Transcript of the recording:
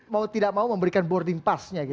mau tidak mau memberikan boarding pass nya